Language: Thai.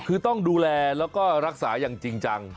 คือต้องดูแลแล้วก็รักษาอย่างจริงจัง